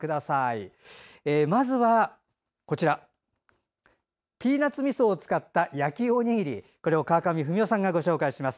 まずは、ピーナツみそを使った焼きおにぎりを川上文代さんがご紹介します。